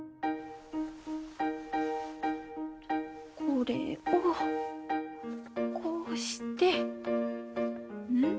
これをこうしてうん？